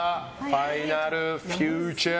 ファイナルフューチャー！